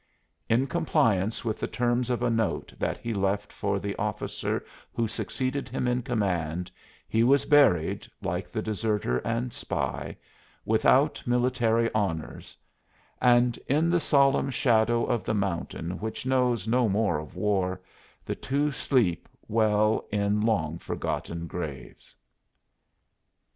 In compliance with the terms of a note that he left for the officer who succeeded him in command, he was buried, like the deserter and spy, without military honors; and in the solemn shadow of the mountain which knows no more of war the two sleep well in long forgotten graves.